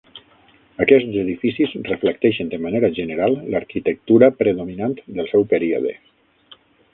Aquests edificis reflecteixen de manera general l'arquitectura predominant del seu període.